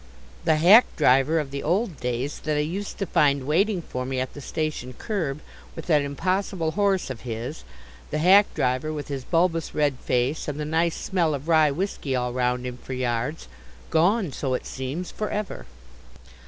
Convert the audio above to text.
The hack driver of the old days that I used to find waiting for me at the station curb, with that impossible horse of his the hack driver with his bulbous red face, and the nice smell of rye whisky all 'round him for yards gone, so it seems, for ever.